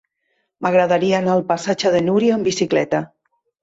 M'agradaria anar al passatge de Núria amb bicicleta.